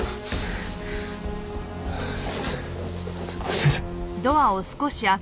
先生。